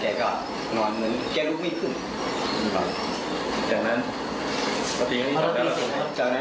เดี๋ยวเราก็นั่งอีกครั้งแล้วก็เหมือนผมคิดอะไรขึ้นอ่ะ